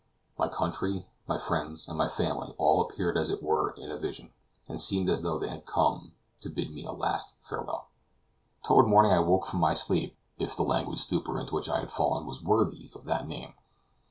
My country, my friends, and my family all appeared as it were in a vision, and seemed as though they had come to bid me a last farewell. Toward morning I woke from my sleep, if the languid stupor into which I had fallen was worthy of that name.